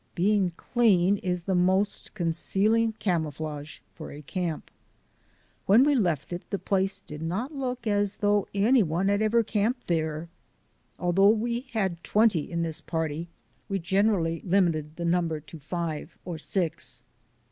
Being clean is the most concealing camouflage for a camp. When we left it the place did not look as though any one had ever camped there. Although we had twenty in this party we generally limited the number to five or six.